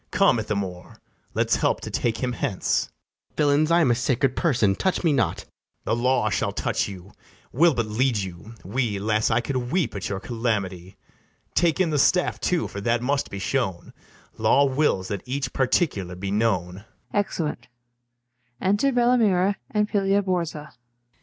Come, Ithamore, let's help to take him hence. FRIAR JACOMO. Villains, I am a sacred person; touch me not. BARABAS. The law shall touch you; we'll but lead you, we: 'Las, I could weep at your calamity! Take in the staff too, for that must be shown: Law wills that each particular be known.